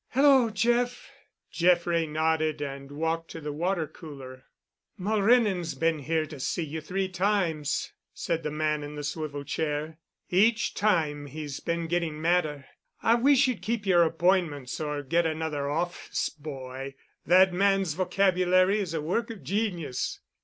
"Hello, Jeff!" Jeff Wray nodded and walked to the water cooler. "Mulrennan's been here to see you three times," said the man in the swivel chair. "Each time he's been getting madder. I wish you'd keep your appointments or get another office boy. That man's vocabulary is a work of genius.